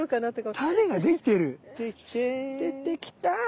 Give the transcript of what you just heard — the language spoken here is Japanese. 出てきた。